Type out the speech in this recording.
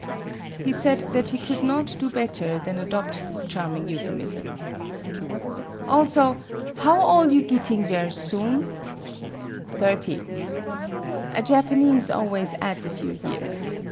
He said that he could not do better than adopt this charming euphemism. " Also, how ole you gitting ver' soon ?" "Thirty." A Japanese always adds a few years.